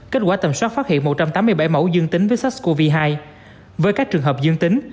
kết quả tầm soát phát hiện một trăm tám mươi bảy mẫu dương tính với sars cov hai với các trường hợp dương tính